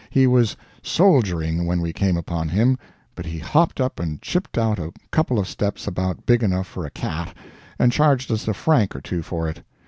He was "soldiering" when we came upon him, but he hopped up and chipped out a couple of steps about big enough for a cat, and charged us a franc or two for it.